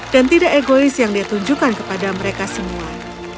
dan tidak egois yang dia tunjukkan kepada mereka semua